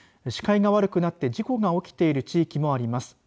視界が悪くなって事故が起きている地域もあります。